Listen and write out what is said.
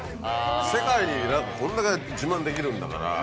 世界にこんだけ自慢できるんだから。